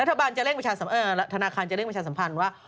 รัฐบาลจะเร่งประชาสัมพันธ์รัฐนาคารจะเร่งประชาสัมพันธ์ว่า